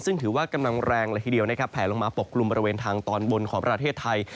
ซึ่งถือว่ากำลังแรงเลยทีเดียวนะครับแผลลงมาปกกลุ่มบริเวณทางตอนบนของประเทศไทย